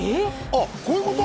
あっこういうこと？